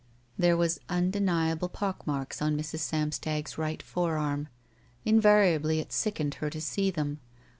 There were imdeniable pockmarks on. Mrs. Sam stag's right forearm. Invariably it sickened her to see them.